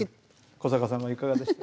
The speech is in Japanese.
古坂さんはいかがでした？